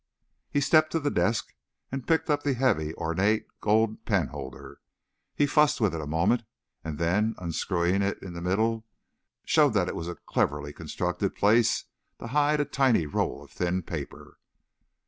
He stepped to the desk and picked up the heavy, ornate gold penholder. He fussed with it a moment, and then, unscrewing it in the middle, showed that it was a cleverly constructed place to hide a tiny roll of thin paper.